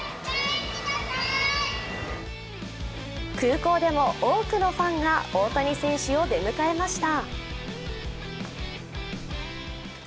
空港でも多くのファンが大谷選手を出迎えました。